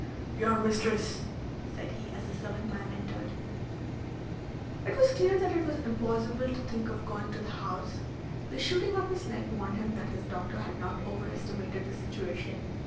"Your mistress!" said he as the serving man entered. It was clear that it was impossible to think of going to the House. The shooting up his leg warned him that his doctor had not overestimated the situation.